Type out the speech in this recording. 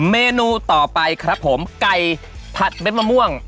เมนูต่อไปครับผมไก่ผัดเด็ดมะม่วง